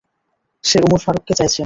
সে ওমর ফারুককে চাইছে।